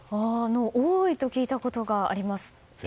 多いと聞いたことがあります。